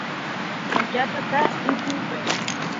Oja tata ypýpe.